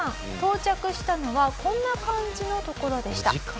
到着したのはこんな感じの所でした。